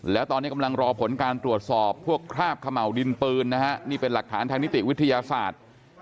แล้วตอนนี้กำลังรอผลการตรวจสอบพวกคราบเขม่าวดินปืนนะฮะนี่เป็นหลักฐานทางนิติวิทยาศาสตร์